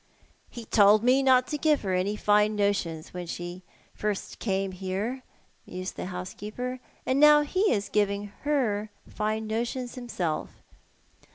" He told me not to give her any fine notions when first she came here," mused the housekeeper ;" and now he is giving her fine notions himself.